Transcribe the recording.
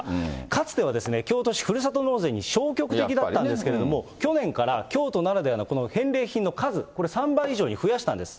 かつては、京都市、ふるさと納税に消極的だったんですけれども、去年から京都ならではのこの返礼品の数、これ、３倍以上に増やしたんです。